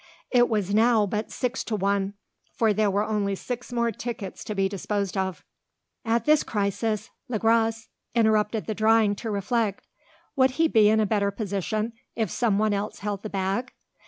It was now but six to one, for there were only six more tickets to be disposed of. At this crisis, Le Gros interrupted the drawing to reflect. Would he be in a better position, if some one else held the bag?